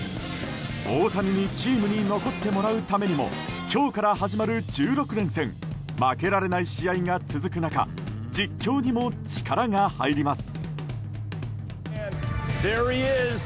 大谷にチームに残ってもらうためにも今日から始まる１６連戦負けられない試合が続く中実況にも力が入ります。